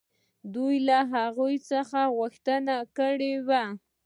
دوی له هغوی څخه غوښتنې کړې وې.